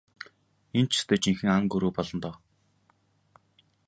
Энэ ч ёстой жинхэнэ ан гөрөө болно доо.